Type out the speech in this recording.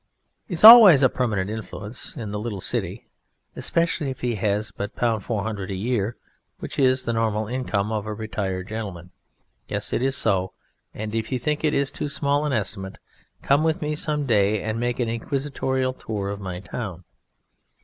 He is always a permanent influence in the little city especially if he has but £400 a year, which is the normal income of a retired gentleman (yes, it is so, and if you think it is too small an estimate, come with me some day and make an inquisitorial tour of my town).